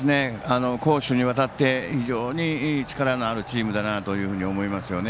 攻守にわたって、非常に力のあるチームだなというふうに思いますよね。